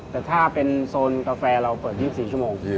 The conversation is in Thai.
แต่ถ้าเป็นโซนกาแฟเราเปิด๒๔ชั่วโมง